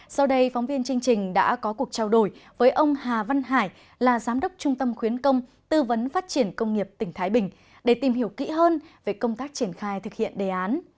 sau đây phóng viên chương trình đã có cuộc trao đổi với ông hà văn hải là giám đốc trung tâm khuyến công tư vấn phát triển công nghiệp tỉnh thái bình để tìm hiểu kỹ hơn về công tác triển khai thực hiện đề án